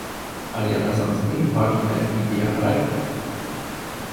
Але разам з тым важная і біяграфія.